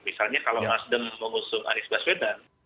misalnya kalau nasdem mengusung anies baswedan